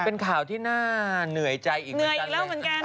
เป็นข่าวที่น่าเหนื่อยใจอีกเหมือนกัน